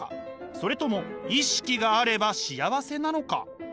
それとも意識があれば幸せなのか。